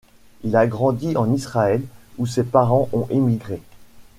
Il a grandi en Israël, où ses parents ont émigré.